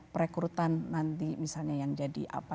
perekrutan nanti misalnya yang jadi apa